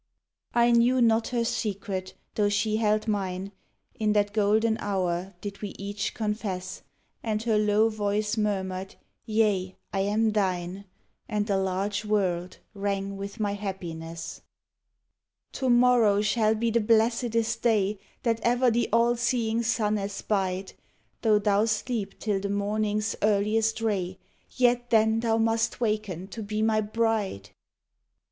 I knew not her secret, though she held mine: In that golden hour did we each confess; And her low voice murmured, Yea, I am thine, And the large world rang with my happiness. To morrow shall be the blessedest day That ever the all seeing sun espied: Though thou sleep till the morning's earliest ray, Yet then thou must waken to be my bride.